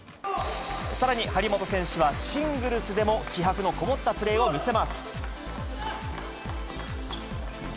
さらに張本選手は、シングルスでも気迫の込もったプレーを見せます。